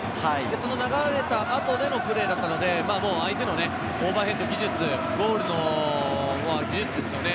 その流れた後でのプレーだったので、相手のオーバーヘッド技術、ゴールの技術ですよね。